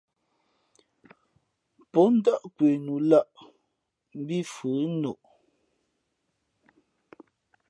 Pō ndάʼ kwe nu lαʼ mbī fʉ ά noʼ.